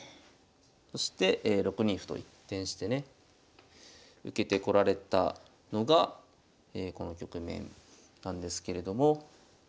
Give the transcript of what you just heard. そして６二歩と一転してね受けてこられたのがこの局面なんですけれども。